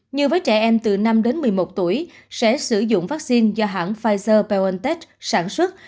như với trẻ em từ năm đến một mươi một tuổi sẽ sử dụng vaccine do hãng pfizer biontech sản xuất